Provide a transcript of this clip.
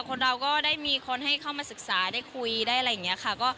คนเราก็ได้มีคนให้เข้ามาศึกษาได้คุยได้อะไรอย่างนี้ค่ะ